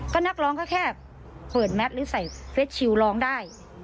ก็นักร้องเขาแค่เปิดแมตป์หรือใส่เฟสชิวลองได้